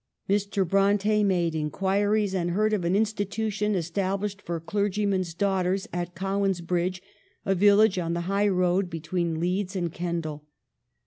Mr. Bronte made inquiries and heard of an insti tution established for clergymen's daughters at Cowan's Bridge, a village on the high road be tween Leeds and Kendal.